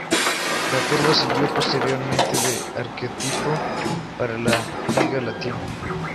La cual sirvió posteriormente de arquetipo para la Liga Latina.